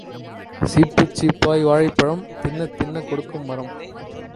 சீப்புச் சீப்பாய் வாழைப்பழம் தின்னத் தின்னக் கொடுக்கும் மரம்.